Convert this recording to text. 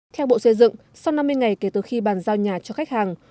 theo bộ xây dựng sau năm mươi ngày kể từ khi bàn giao nhà cho khách hàng